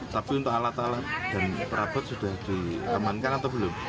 tapi untuk alat alat dan perabot sudah diamankan atau belum